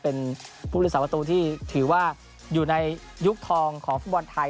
เป็นผู้โดยสารประตูที่ถือว่าอยู่ในยุคทองของฟุตบอลไทย